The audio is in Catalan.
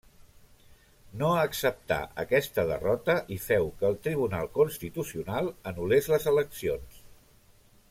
No acceptà aquesta derrota i féu que el Tribunal Constitucional anul·lés les eleccions.